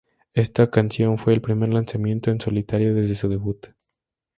Esta canción fue el primer lanzamiento en solitario desde su debut.